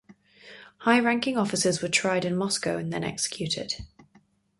High-ranking officers were tried in Moscow, and then executed.